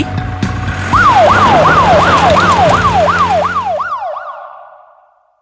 katakanlah ini hercolored fish